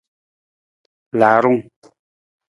Laarung.